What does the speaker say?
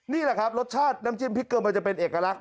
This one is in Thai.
นี่แหละครับรสชาติน้ำจิ้มพริกเกอร์มันจะเป็นเอกลักษณ